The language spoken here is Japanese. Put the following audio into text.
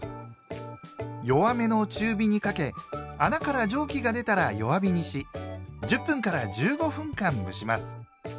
弱めの中火にかけ穴から蒸気が出たら弱火にし１０分から１５分間蒸します。